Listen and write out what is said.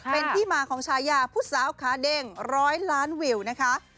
เป็นที่มาของชายาผู้สาวขาเด้งร้อยล้านวิวนะคะ